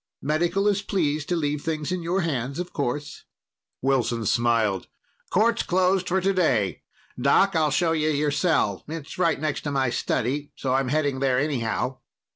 Medical is pleased to leave things in your hands, of course." Wilson smiled. "Court's closed for today. Doc, I'll show you your cell. It's right next to my study, so I'm heading there anyhow."